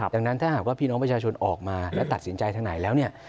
ดังนั้นถ้าหากว่าพี่น้องประชาชนออกมาและตัดสินใจทางไหนแล้วเนี่ย